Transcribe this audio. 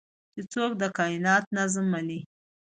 چې څوک د کائنات نظم مني